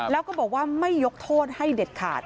แล้วก็บอกว่าไม่ยกโทษให้เด็ดขาด